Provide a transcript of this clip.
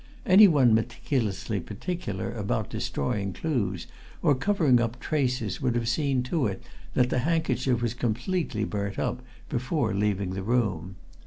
Anyone meticulously particular about destroying clues or covering up traces would have seen to it that the handkerchief was completely burnt up before leaving the room.